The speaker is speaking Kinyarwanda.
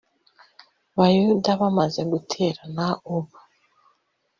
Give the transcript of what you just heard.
bayuda bamaze guterana ubu